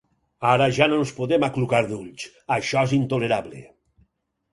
Ara ja no ens podem aclucar d'ulls: això és intolerable!